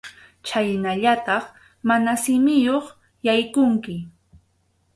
Chhaynallataq mana simiyuq yaykunki.